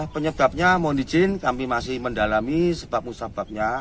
penyebabnya mohon izin kami masih mendalami sebab musababnya